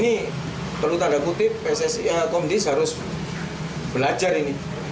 ini kalau tanda kutip komdis harus belajar ini